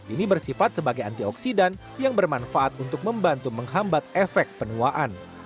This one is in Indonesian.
ini bersifat sebagai antioksidan yang bermanfaat untuk membantu menghambat efek penuaan